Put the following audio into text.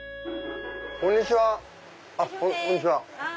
こんにちは。